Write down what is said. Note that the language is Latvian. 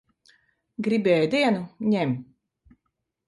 Gribi ēdienu? Ņem.